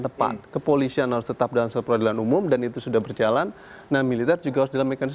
tepat kepolisian harus tetap dalam seberang umum dan itu sudah berjalan nah militer juga mekanis